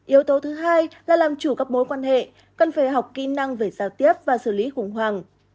yếu tố thứ hai là làm chủ các mối quan hệ cần phải học kỹ năng về giao tiếp và xử lý khủng hoảng